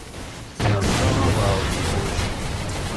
Irẓa abeṛdi i ucmux.